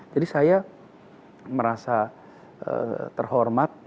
jadi saya merasa terhormat